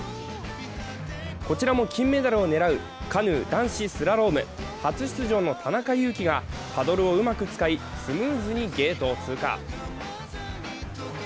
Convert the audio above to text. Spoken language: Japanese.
こちらも金メダルを狙うカヌー男子スラローム初出場の田中雄己がパドルをうまく使いスムーズにゲートを通過。